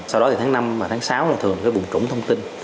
sau đó thì tháng năm và tháng sáu là thường cái vùng trũng thông tin